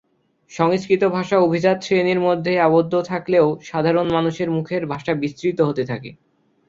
সংস্কৃত ভাষা অভিজাত শ্রেণির মধ্যেই আবদ্ধ থাকলেও সাধারণ মানুষের মুখের ভাষা বিস্তৃত হতে থাকে।